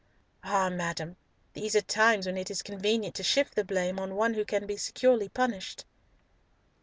"Ah, madam! these are times when it is convenient to shift the blame on one who can be securely punished."